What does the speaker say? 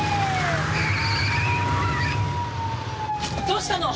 どうしたの？